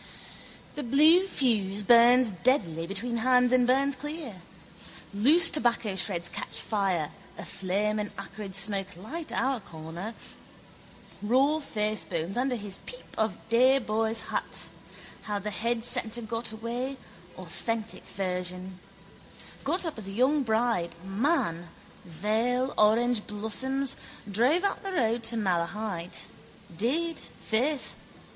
The blue fuse burns deadly between hands and burns clear. Loose tobaccoshreds catch fire: a flame and acrid smoke light our corner. Raw facebones under his peep of day boy's hat. How the head centre got away, authentic version. Got up as a young bride, man, veil, orangeblossoms, drove out the road to Malahide. Did, faith.